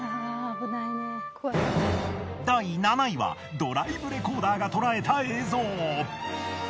第７位はドライブレコーダーがとらえた映像。